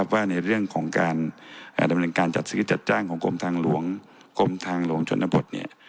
ว่าในเรื่องของการดำเนินการจัดซื้อคิดจัดจ้างของกรมทางหลวงพนธนบท